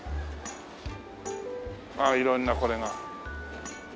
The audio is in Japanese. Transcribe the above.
あっ色んなこれが。